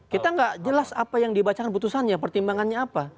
kita nggak jelas apa yang dibacakan putusannya pertimbangannya apa